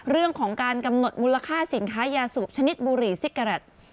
เรื่องของการกำหนดมูลค่าสินค้ายาสูบชนิดบุหรี่ซิกอแรต